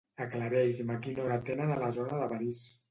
Aclareix-me quina hora tenen a la zona de París.